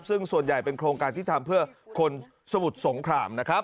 ซึ่งส่วนใหญ่เป็นโครงการที่ทำเพื่อคนสมุทรสงครามนะครับ